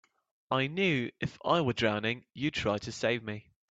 I knew if I were drowning you'd try to save me.